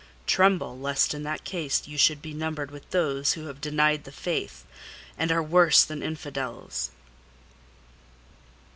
Tremble lest in that case you should be numbered with those who have denied the faith, and are worse than infidels!"